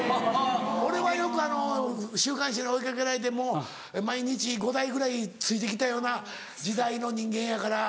俺はよく週刊誌に追い掛けられてもう毎日５台ぐらいついて来たような時代の人間やから。